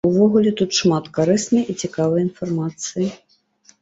Увогуле тут шмат карыснай і цікавай інфармацыі.